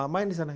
main di sana